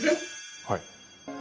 はい。